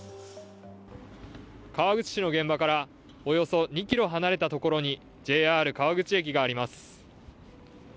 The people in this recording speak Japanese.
川口市の現場から、およそ２ｋｍ離れたところにＪＲ川口駅があります。